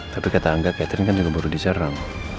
tapi kata angga catherine kan juga baru diserang